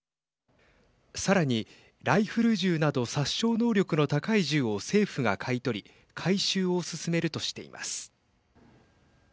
さらに、ライフル銃など殺傷能力の高い銃を政府が買い取り回収を進めるとしています。